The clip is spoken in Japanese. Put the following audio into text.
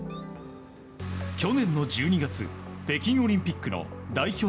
去年の１２月北京オリンピックの代表